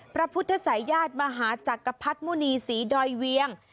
พระพุทธศัยญาติมหาจักรพรรดิมุณีศรีดอยเวียง